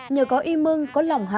nhờ có y mưng có lòng hỏi